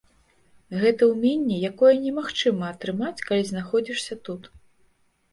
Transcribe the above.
Гэта ўменне, якое немагчыма атрымаць, калі знаходзішся тут.